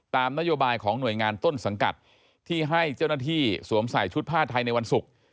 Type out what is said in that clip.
ตามนโยบายของหน่วยงานต้นสังกัดที่ให้เจ้าหน้าที่สวมใส่ชุดผ้าไทยในวันศุกร์